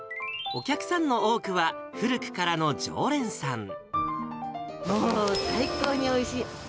お客さんの多くは、古くからもう最高においしい。